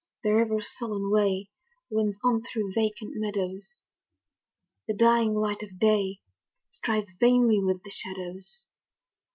The river's sullen way Winds on through vacant meadows, The dying light of day Strives vainly with the shadows.